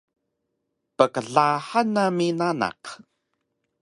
Pqlahang nami nanaq